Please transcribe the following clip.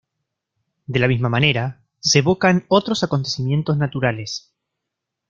De la misma manera se evocan otros acontecimientos naturales.